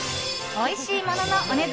おいしいもののお値段